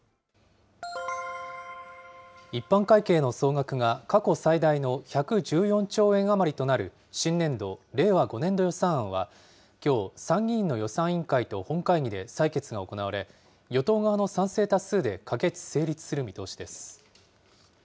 一般会計の総額が過去最大の１１４兆円余りとなる新年度・令和５年度予算案は、きょう、参議院の予算委員会と本会議で採決が行われ、与党側の賛成多数で可決・成立する見通しです。